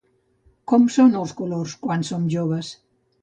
Com són els colors quan som joves?